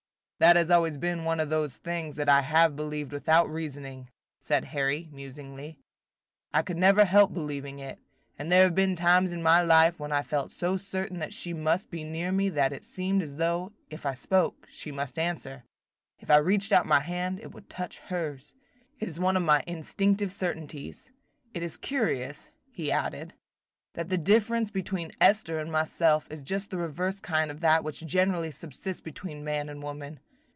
"That has always been one of those things that I have believed without reasoning," said Harry, musingly. "I never could help believing it; and there have been times in my life when I felt so certain that she must be near me, that it seemed as though, if I spoke, she must answer, – if I reached out my hand, it would touch hers. It is one of my instinctive certainties. It is curious," he added, "that the difference between Esther and myself is just the reverse kind of that which generally subsists between man and woman.